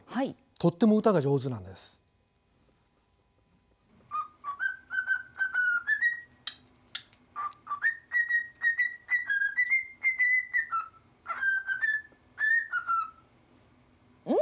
とっても歌が上手なんです。ん？